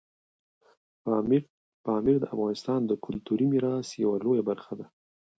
پامیر د افغانستان د کلتوري میراث یوه لویه برخه ده.